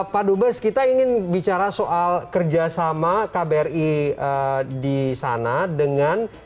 pak dubes kita ingin bicara soal kerjasama kbri di sana dengan